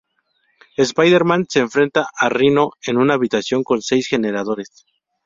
Spider-Man se enfrenta a Rhino en una habitación con seis generadores.